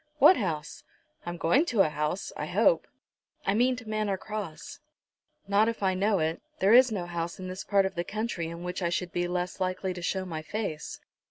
What house? I'm going to a house, I hope." "I mean to Manor Cross." "Not if I know it. There is no house in this part of the country in which I should be less likely to show my face."